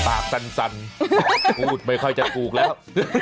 สั่นพูดไม่ค่อยจะถูกแล้ว